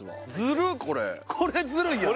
これずるいよな。